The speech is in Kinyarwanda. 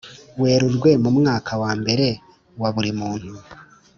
Werurwe mu mwaka wa mbere wa buri muntu